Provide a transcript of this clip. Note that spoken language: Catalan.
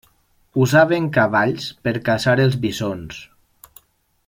Usaven cavalls per caçar els bisons.